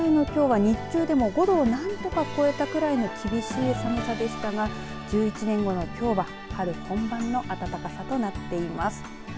１１年前のきょうは日中でも５度を何とか超えたくらいの厳しい寒さでしたが１１年後のきょうは春本番の暖かさとなっています。